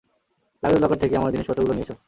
Luggage-locker থেকে আমার জিনিসপত্রগুলো নিয়ে এসো।